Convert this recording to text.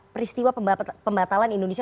peristiwa pembatalan indonesia